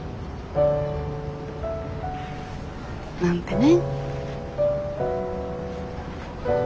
なんてね。